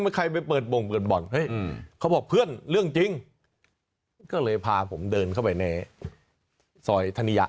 ไม่มีใครไปเปิดบ่อนเขาบอกเพื่อนเรื่องจริงก็เลยพาผมเดินเข้าไปในซอยธนิยะ